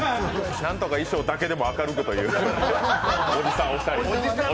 何とか衣装だけでも明るくという、おじさん２人。